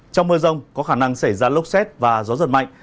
trong mưa rông có khả năng xảy ra lốc xét và gió giật mạnh